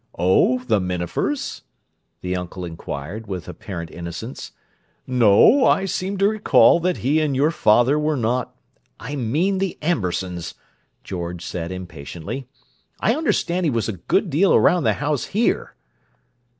"Oh, the Minafers?" the uncle inquired, with apparent innocence. "No, I seem to recall that he and your father were not—" "I mean the Ambersons," George said impatiently. "I understand he was a good deal around the house here."